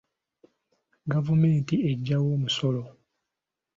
Gavumenti ejjawa omusolo?